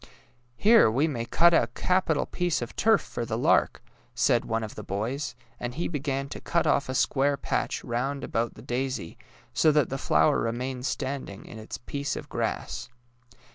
^' Here we may cut a capital piece of turf for the lark," said one of the boys; and he began to cut off a square patch round about the daisy, so that the floAver remained standing in its piece of grass.